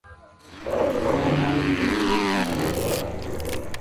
Maama we namugumya.